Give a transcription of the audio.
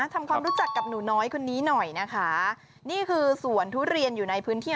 ทำความรู้จักกับหนูน้อยคนนี้หน่อยนะคะนี่คือสวนทุเรียนอยู่ในพื้นที่